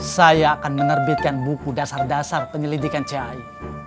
saya akan menerbitkan buku dasar dasar penyelidikan cai